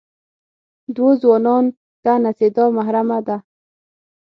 دوو ځوانان ته نڅېدا محرمه ده.